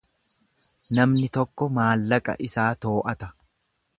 Namni tokko maallaqa isaa too’ata.